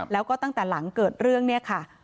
แล้วก็ตั้งแต่หลังเกิดเรื่องเนี่ยค่ะ